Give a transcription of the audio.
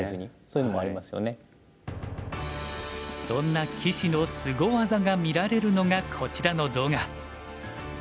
そんな棋士のスゴ技が見られるのがこちらの動画。